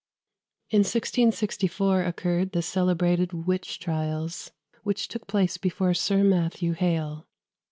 In 1664 occurred the celebrated witch trials which took place before Sir Matthew Hale.